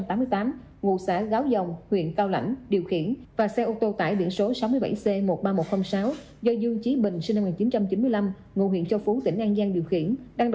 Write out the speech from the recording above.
ngụ xã gáo dòng huyện cao lãnh điều khiển và xe ô tô tải điện số sáu mươi bảy c một mươi ba nghìn một trăm linh sáu do dương chí bình sinh năm một nghìn chín trăm tám mươi tám